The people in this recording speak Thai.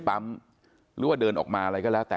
อืมว่านี่คือรถของนางสาวกรรณิการก่อนจะได้ชัดเจนไป